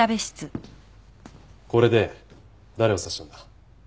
これで誰を刺したんだ？